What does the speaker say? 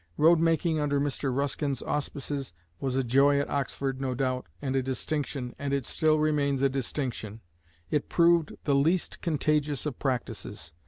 Road making under Mr. Ruskin's auspices was a joy at Oxford no doubt, and a distinction, and it still remains a distinction; it proved the least contagious of practices.